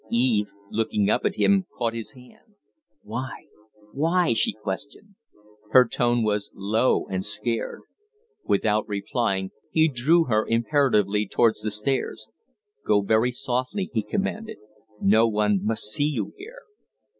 Eve, looking up at him, caught his hand. "Why? Why?" she questioned. Her tone was low and scared. Without replying, he drew her imperatively towards the stairs. "Go very softly," he commanded. "No one must see you here."